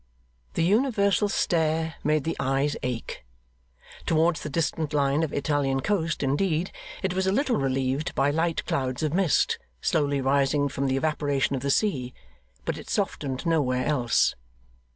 The universal stare made the eyes ache. Towards the distant line of Italian coast, indeed, it was a little relieved by light clouds of mist, slowly rising from the evaporation of the sea, but it softened nowhere else.